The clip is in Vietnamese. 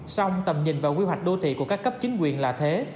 song tầm nhìn và quy hoạch đô thị của các cấp chính quyền là thế